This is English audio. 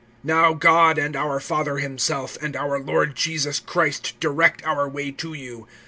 (11)Now God and our Father himself, and our Lord Jesus Christ, direct our way to you.